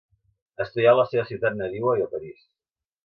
Estudià en la seva ciutat nadiua i a París.